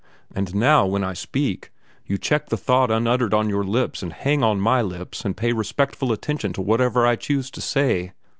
And now, when I speak, you check the thought unuttered on your lips and hang on my lips and pay respectful attention to whatever I choose to say.